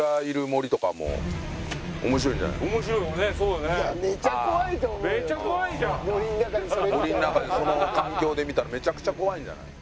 森の中でその環境で見たらめちゃくちゃ怖いんじゃない？